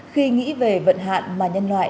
khi nghĩ về vận hạn mà nhân loại